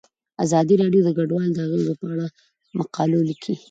ازادي راډیو د کډوال د اغیزو په اړه مقالو لیکلي.